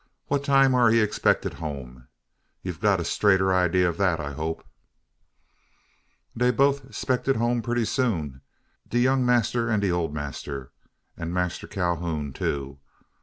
What time air he expected hum? Ye've got a straighter idee o' thet, I hope?" "Dey boaf 'pected home berry soon, de young massr and de ole massr, and Mass Ca'houn too.